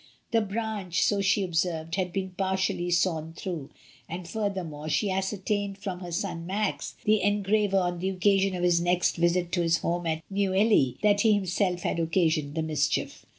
The branch, so she ob served, had been partially sawn through, and further more she ascertained from her son Max, the en graver, on the occasion of his next visit to his home at Neuilly, that he himself had occasioned the mischief.